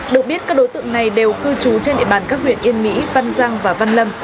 được biết các đối tượng này đều cư trú trên địa bàn các huyện yên mỹ văn giang và văn lâm